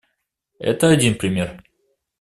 Это один пример.